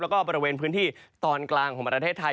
แล้วก็บริเวณพื้นที่ตอนกลางของประเทศไทย